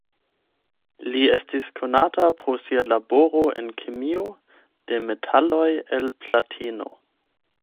Li estis konata pro sia laboro en kemio de metaloj el plateno.